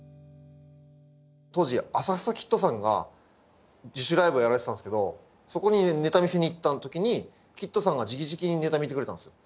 当時浅草キッドさんが自主ライブをやられてたんですけどそこにネタ見せに行った時にキッドさんがじきじきにネタ見てくれたんですよ。